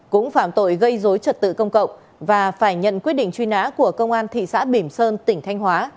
cũng phạm tội gây dối trật tự công cộng và phải nhận quyết định truy nã của công an thị xã bỉm sơn tỉnh thanh hóa